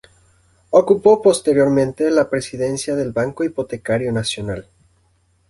Ocupó posteriormente la presidencia del Banco Hipotecario Nacional.